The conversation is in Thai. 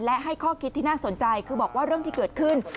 และให้ข้อคิดที่น่าสนใจคือบอกว่าเรื่องที่เกิดขึ้น